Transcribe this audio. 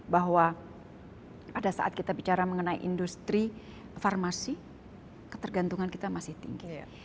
bahwa pada saat kita bicara mengenai industri farmasi ketergantungan kita masih tinggi